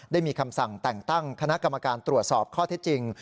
ได้มีคำสั่งแต่งตั้งคณะกรรมการตรวจสอบข้อเท็จจริง